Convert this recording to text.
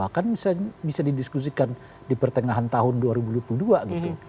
kan bisa didiskusikan di pertengahan tahun dua ribu dua puluh dua gitu